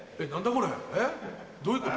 これえっどういうこと？